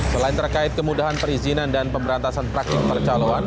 selain terkait kemudahan perizinan dan pemberantasan praktik percaloan